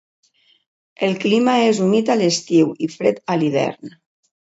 El clima és humit a l'estiu i fred a l'hivern.